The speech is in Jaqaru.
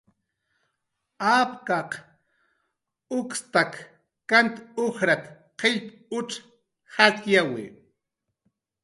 "Apkaq ukstak kant ujrat"" qillp utz jayyawi."